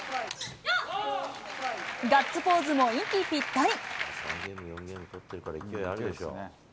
ガッツポーズも息ぴったり。